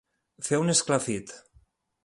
Fer un esclafit.